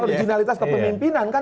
originalitas kepemimpinan kan